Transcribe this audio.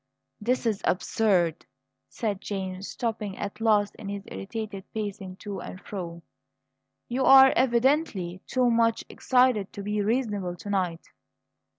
"This is absurd!" said James, stopping at last in his irritated pacing to and fro. "You are evidently too much excited to be reasonable to night.